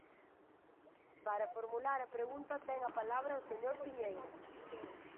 Para formular a pregunta ten a palabra o señor Piñeira.